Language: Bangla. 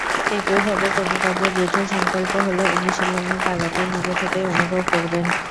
একইভাবে কোনো কাজে দৃঢ় সংকল্প হলে অনুশীলনের তাগাদা নিজে থেকেই অনুভব করবেন।